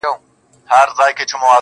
د دغه ټپ د رغېدلو کيسه ختمه نه ده,